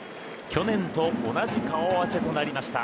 去年と同じ顔合わせとなりました